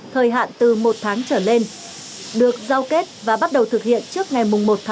thời hạn từ một tháng trở lên được giao kết và bắt đầu thực hiện trước ngày một bốn hai nghìn hai mươi hai